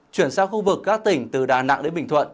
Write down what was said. chuyển sang khu vực các tỉnh từ đà nẵng đến bình thuận